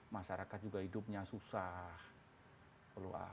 masyarakat juga hidupnya susah